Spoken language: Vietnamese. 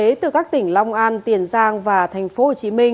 quái xế từ các tỉnh long an tiền giang và tp hcm